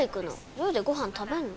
寮でご飯食べんの？